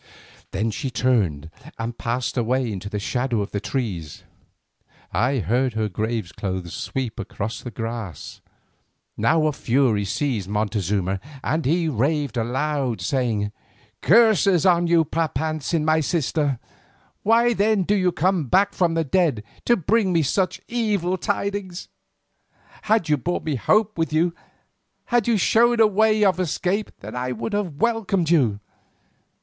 Then she turned and passed away into the shadow of the trees; I heard her graveclothes sweep upon the grass. Now a fury seized Montezuma and he raved aloud, saying: "Curses on you, Papantzin, my sister! Why then do you come back from the dead to bring me such evil tidings? Had you brought hope with you, had you shown a way of escape, then I would have welcomed you.